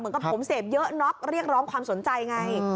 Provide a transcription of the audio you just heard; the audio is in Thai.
กับผมเสพเยอะน็อกเรียกร้องความสนใจไง